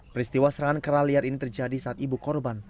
peristiwa serangan kera liar ini terjadi saat ibu korban